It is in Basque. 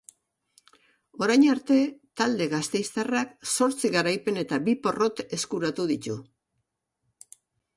Orain arte, talde gasteiztarrak zortzi garaipen eta bi porrot eskuratu ditu.